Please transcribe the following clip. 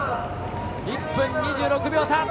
１分２６秒差。